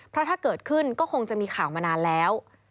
เพราะถ้าเกิดขึ้นก็คงจะมีข่าวมานานแล้ว